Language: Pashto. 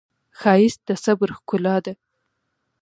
ښایست د صبر ښکلا ده